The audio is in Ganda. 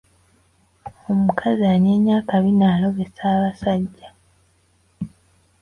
Omukazi anyeenya akabina alobesa abasajja.